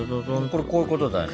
これこういうことだね。